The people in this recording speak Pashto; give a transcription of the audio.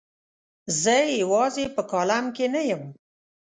زه یوازې په کالم کې نه یم.